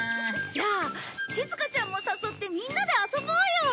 じゃあしずかちゃんも誘ってみんなで遊ぼうよ！